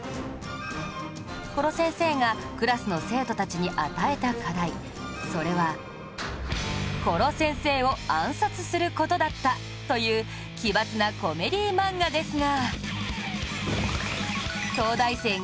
殺せんせーがクラスの生徒たちに与えた課題それは殺せんせーを暗殺する事だったという奇抜なコメディー漫画ですが